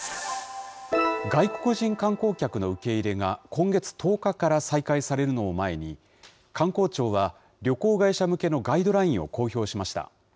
外国人観光客の受け入れが今月１０日から再開されるのを前に、観光庁は、旅行会社向けのガイドラインを公表しました。